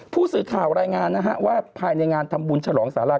ผู้สื่อข่าวรายงานนะฮะว่าภายในงานทำบุญฉลองสารา